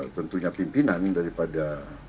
tentunya pimpinan daripada